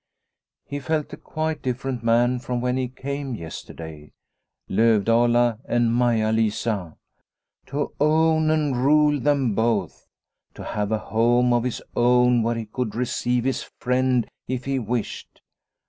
He felt quite a different man from when he came yesterday. Lovdala and Maia Lisa ! To own and rule them both ! To have a home of his own where he could receive his friend if he wished